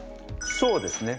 そうですね。